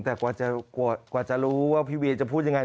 แต่กว่าจะรู้ว่าพี่เวียจะพูดยังไง